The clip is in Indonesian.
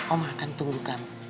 oma akan tunggu kamu